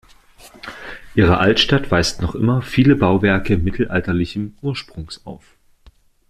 Ihre Altstadt weist noch immer viele Bauwerke mittelalterlichen Ursprungs auf.